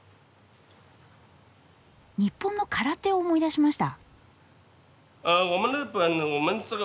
日本の空手を思い出しました。